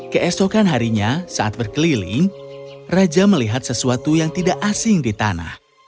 keesokan harinya saat berkeliling raja melihat sesuatu yang tidak asing di tanah